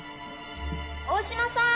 大島さん。